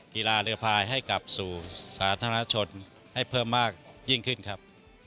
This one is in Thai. เรือพายให้กลับสู่สาธารณชนให้เพิ่มมากยิ่งขึ้นครับ